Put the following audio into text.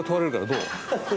どう？